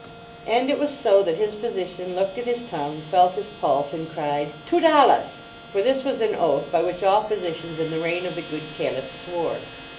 And it was so that his physician looked at his tongue, felt his pulse and cried, " Twodollahs!" (for this was an oath by which all physicians in the reign of the good Caliph swore).